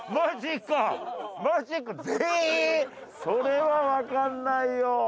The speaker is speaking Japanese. それはわかんないよ。